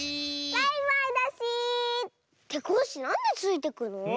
バイバイだし！ってコッシーなんでついていくの？